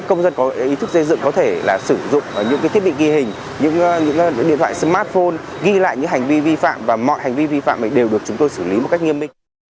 công dân có ý thức xây dựng có thể là sử dụng những thiết bị ghi hình những điện thoại smartphone ghi lại những hành vi vi phạm và mọi hành vi vi phạm đều được chúng tôi xử lý một cách nghiêm minh